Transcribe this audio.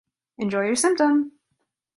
Enjoy Your Symptom!